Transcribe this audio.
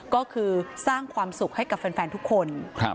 ก็คือสร้างความสุขให้กับแฟนทุกคน